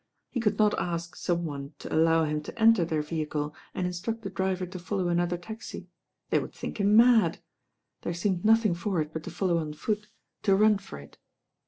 He could not ask some one to allow hmi to enter their vehicle, and instruct the driver to follow another taxi. They would think him mad. There seemed nothing for it but to follow on foot, to run for it.